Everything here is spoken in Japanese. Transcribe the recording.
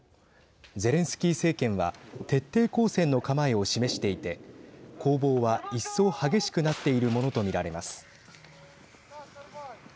ゼレンスキー政権は徹底抗戦の構えを示していて攻防は一層激しくなっているものと見られます。